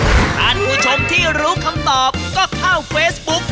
ท่านผู้ชมที่รู้คำตอบก็เข้าเฟซบุ๊ก